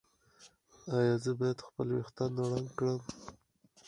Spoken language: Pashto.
ایا زه باید خپل ویښتان رنګ کړم؟